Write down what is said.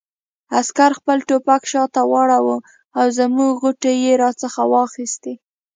عسکر خپل ټوپک شاته واړاوه او زموږ غوټې یې را څخه واخیستې.